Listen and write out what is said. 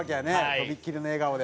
とびっきりの笑顔で。